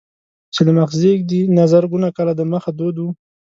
چې له مخزېږدي نه زرګونه کاله دمخه دود و.